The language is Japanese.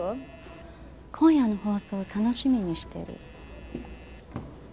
今夜の放送を楽しみにしてる。